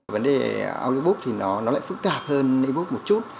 vấn đề audiobook thì nó lại phức tạp hơn e book một chút